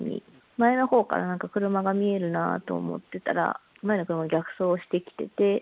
前のほうからなんか車が見えるなと思ってたら、前の車が逆走してきてて。